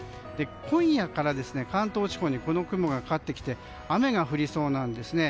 今夜から関東地方にこの雲がかかってきて雨が降りそうなんですね。